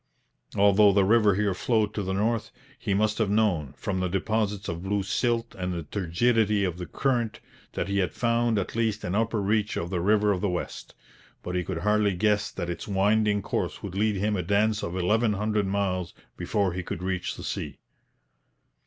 Although the river here flowed to the north, he must have known, from the deposits of blue silt and the turgidity of the current, that he had found at least an upper reach of the River of the West; but he could hardly guess that its winding course would lead him a dance of eleven hundred miles before he should reach the sea.